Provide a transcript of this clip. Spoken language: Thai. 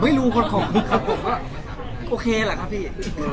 ผมไม่รู้ความคิดความคิดโอเคแหละครับพี่